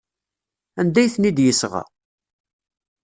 Anda ay ten-id-yesɣa?